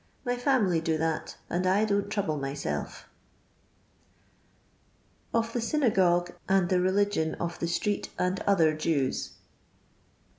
My family do that and I don't trouble my self." Of mm SnrAOoouES ahd thi RiLiaioH or THi Street akd otueb Jews.